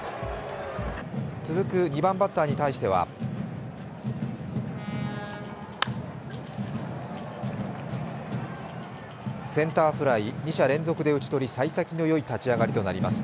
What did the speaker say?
続く２番バッターに対してはセンターフライ、２者連続で打ち取りさい先のよい立ち上がりとなります。